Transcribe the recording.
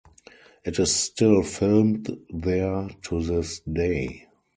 It is still filmed there to this day.